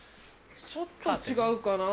ちょっと違うかな？